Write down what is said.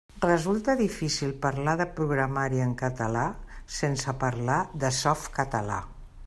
Resulta difícil parlar de programari en català sense parlar de Softcatalà.